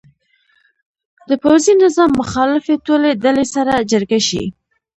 د پوځي نظام مخالفې ټولې ډلې سره جرګه شي.